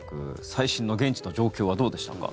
最新の現地の状況はどうでしたか。